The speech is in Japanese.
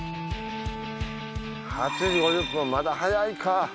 ８時５０分まだ早いか。